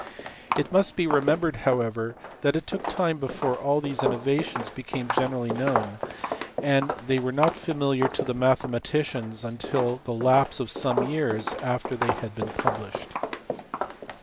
It must be remembered however that it took time before all these innovations became generally known, and they were not familiar to mathematicians until the lapse of some years after they had been published.